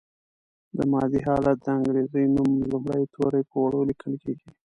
د مادې حالت د انګریزي نوم لومړي توري په وړو لیکل کیږي.